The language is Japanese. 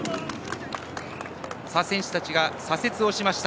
選手たちが左折をしました。